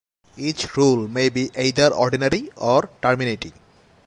Each rule may be either ordinary or terminating.